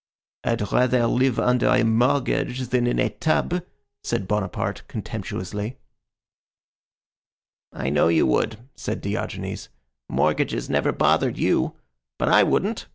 "I'd rather live under a mortgage than in a tub," said Bonaparte, contemptuously. "I know you would," said Diogenes. "Mortgages never bothered you but I wouldn't.